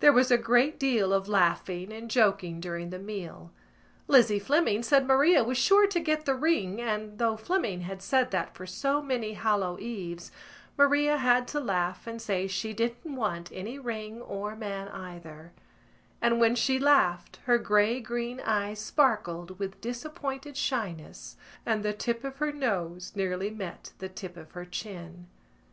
There was a great deal of laughing and joking during the meal. Lizzie Fleming said Maria was sure to get the ring and, though Fleming had said that for so many Hallow Eves, Maria had to laugh and say she didn't want any ring or man either; and when she laughed her grey green eyes sparkled with disappointed shyness and the tip of her nose nearly met the tip of her chin.